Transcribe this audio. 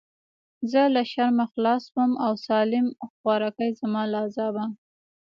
زه له شرمه خلاص سوم او سالم خواركى زما له عذابه.